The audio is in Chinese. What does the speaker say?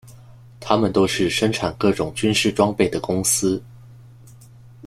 它们都是生产各种军事装备的公司。